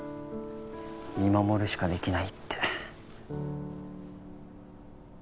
見守るしかできないって。